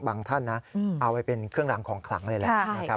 ท่านนะเอาไปเป็นเครื่องรางของขลังเลยแหละ